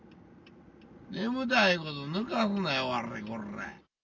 眠たいことぬかすなよ、われ、こら。